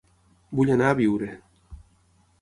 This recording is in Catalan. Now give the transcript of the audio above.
Vull anar a Biure